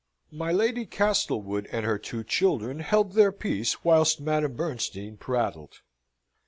My Lady Castlewood and her two children held their peace whilst Madame Bernstein prattled.